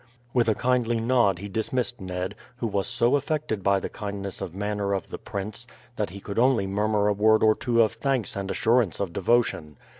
With a kindly nod he dismissed Ned, who was so affected by the kindness of manner of the prince that he could only murmur a word or two of thanks and assurance of devotion.